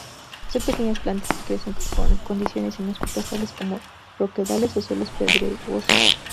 Son pequeñas plantas que crecen en condiciones inhóspitas, tales como roquedales o suelos pedregosos.